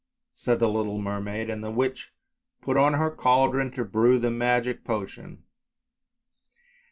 *' said the little mermaid, and the witch put on her cauldron to brew the magic potion.